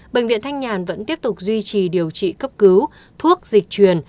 bệnh viện thanh nhàn vẫn tiếp tục duy trì điều trị cấp cứu thuốc dịch truyền